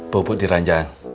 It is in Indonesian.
bobot di ranjang